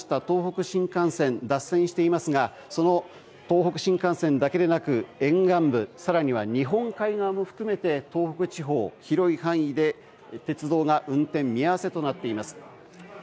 東北新幹線が脱線していますが東北新幹線だけでなく沿岸部、更には日本海側も含めて東北地方、広い範囲で鉄道が運転を見合わせています。